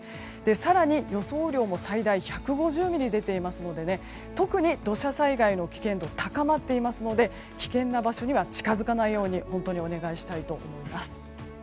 更に、予想雨量も最大１５０ミリ出ていますので特に、土砂災害の危険度が高まっていますので危険な場所には近づかないように本当にお願いしたいと思います。